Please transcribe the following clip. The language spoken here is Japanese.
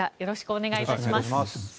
お願いします。